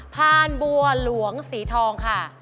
พานบัวหลวงสีทองค่ะ